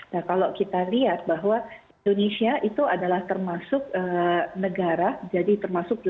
nah kalau kita lihat bahwa indonesia itu adalah termasuk negara